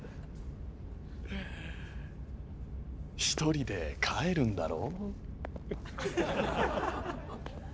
一人で帰るんだろ？